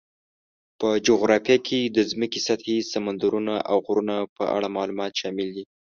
په جغرافیه کې د ځمکې سطحې، سمندرونو، او غرونو په اړه معلومات شامل دي.